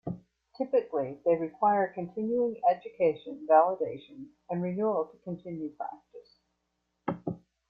Typically they require continuing education validation and renewal to continue practice.